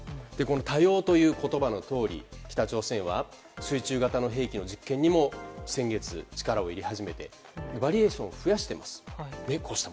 多様という言葉のとおり北朝鮮は水中型の兵器の実験にも先月、力を入れ始めてバリエーションを増やしています。